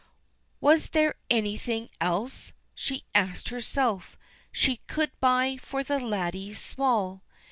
"Was there anything else!" she asked herself, "She could buy for the laddie small?"